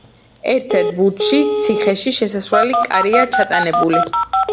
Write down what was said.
ერთ-ერთ ბურჯში ციხეში შესასვლელი კარია ჩატანებული.